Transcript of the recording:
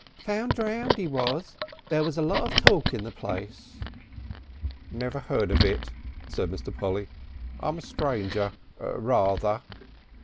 "Found drowned he was. There was a lot of talk in the place." "Never heard of it," said Mr. Polly. "I'm a stranger rather."